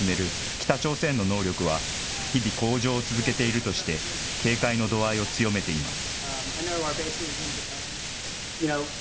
北朝鮮の能力は日々向上を続けているとして、警戒の度合いを強めています。